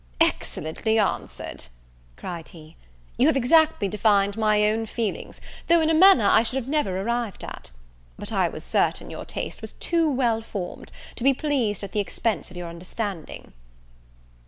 "Excellently answered!" cried he; "you have exactly defined my own feelings, though in a manner I should never have arrived at. But I was certain your taste was too well formed, to be pleased at the expense of your understanding."